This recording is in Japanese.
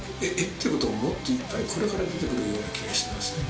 ていうことをもっといっぱいこれから出てくるような気がしてますね。